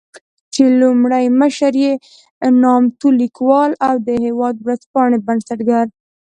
چې لومړی مشر يې نامتو ليکوال او د "هېواد" ورځپاڼې بنسټګر